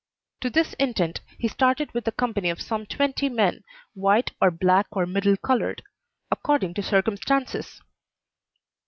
To this intent he started with a company of some twenty men white or black or middle colored (according to circumstances).